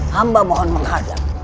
hamba mohon menghadap